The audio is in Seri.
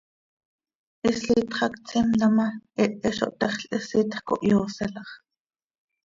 Hislitx hac tsimta ma, hehe zo htexl, hislitx cohyooselax.